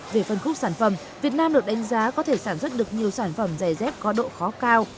về phân khúc sản phẩm việt nam được đánh giá có thể sản xuất được nhiều sản phẩm giày dép có độ khó cao